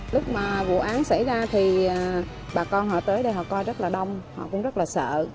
lúc mà vụ án xảy ra thì bà con họ tới đây họ coi rất là đông họ cũng rất là sợ